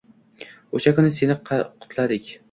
O’sha kuni seni qutladik.